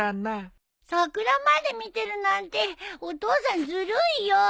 桜まで見てるなんてお父さんずるいよ！